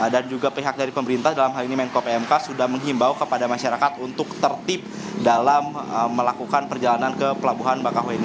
dan juga pihak dari pemerintah dalam hal ini menko pmk sudah menghimbau kepada masyarakat untuk tertib dalam melakukan perjalanan ke pelabuhan maka hueni